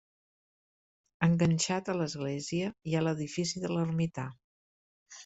Enganxat a l'església hi ha l'edifici de l'ermità.